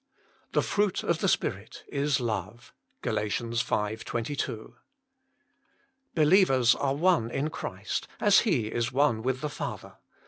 "The fruit of the Spirit is love." GAL. v. 22. Believers are one in Christ, as He is one with the Father.